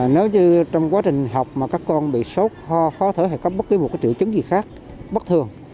nếu như trong quá trình học mà các con bị sốt ho khó thở hay có bất kỳ một triệu chứng gì khác bất thường